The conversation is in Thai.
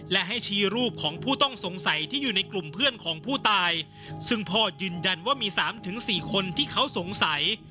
และให้ชี้รูปของผู้ต้องสงสัยที่อยู่ในกลุ่มเพื่อนของผู้ตายซึ่งพ่อยืนยันว่ามีสามถึงสี่คนที่เขาสงสัย